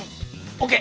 ＯＫ。